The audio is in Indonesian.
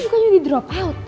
gak suka jadi drop out